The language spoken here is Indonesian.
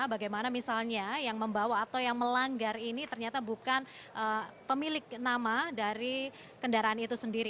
bagaimana misalnya yang membawa atau yang melanggar ini ternyata bukan pemilik nama dari kendaraan itu sendiri